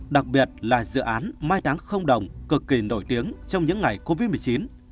đặc biệt là dự án mai đáng không đồng cực kỳ nổi tiếng trong những ngày covid một mươi chín